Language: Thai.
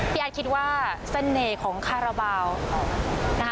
พี่อัดคิดว่าเสน่ห์ของคาราบาล